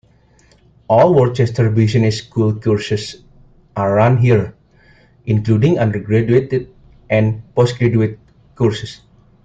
All Worcester Business School courses are run here, including undergraduate and postgraduate courses.